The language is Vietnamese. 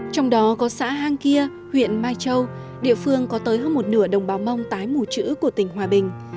trong đó có xã hang kia huyện mai châu địa phương có tới hơn một nửa đồng bào mong tái mù chữ của tỉnh hòa bình